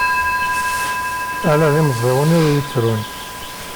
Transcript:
Ala d imẓiwen ur yettrun.